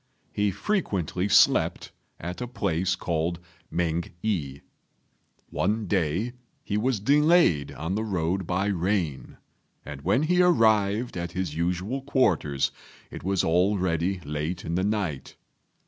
He frequently slept at a place called Mêng i. One day he was delayed on the road by rain, and when he arrived at his usual quarters it was already late in the night.